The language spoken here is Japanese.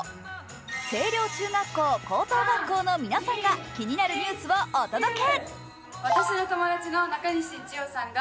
星稜中学校・高等学校の皆さんが気になるニュースをお届け。